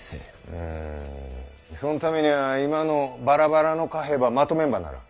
うんそんためには今のバラバラの貨幣ばまとめんばならん。